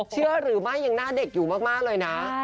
เชื่อหรือไม่ยังหน้าเด็กอยู่มากเลยนะ